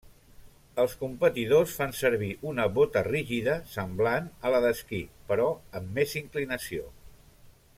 Els competidors fan servir una bota rígida, semblant a la d'esquí, però amb més inclinació.